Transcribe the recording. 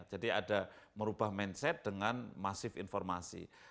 jadi ada merubah mindset dengan massive information